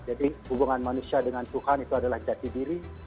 jadi hubungan manusia dengan tuhan itu adalah jati diri